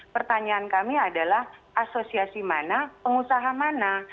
pertanyaan kami adalah asosiasi mana pengusaha mana